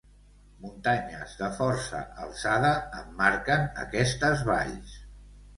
Muntanyes de força alçada emmarquen aquestes valls.